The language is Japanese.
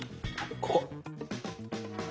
ここ。